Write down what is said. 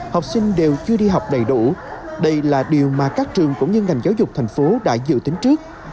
học sinh đều chưa đi học đầy đủ đây là điều mà các trường cũng như ngành giáo dục thành phố đã dự tính trước